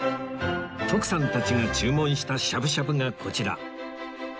徳さんたちが注文したしゃぶしゃぶがこちら